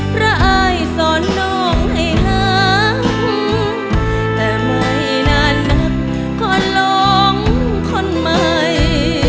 พระอายสอนน้องให้ห้างแต่ไม่น่ารักก็หลงคนใหม่